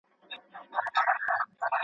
• د زرو په قدر زرگر پوهېږي.